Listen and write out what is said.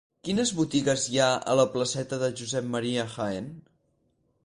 Quines botigues hi ha a la placeta de Josep Ma. Jaén?